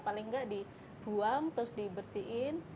paling nggak dibuang terus dibersihin